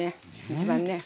一番ね。